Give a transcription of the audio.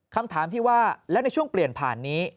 คำถามที่ว่าแล้วในช่วงเปลี่ยนผ่านนี้